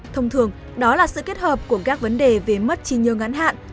thông thường đó là sự kết hợp của các vấn đề về mất chi nhiêu ngắn hạn